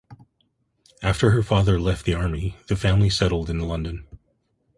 After her father left the army, the family settled in London.